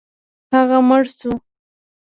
هغه مړ شو.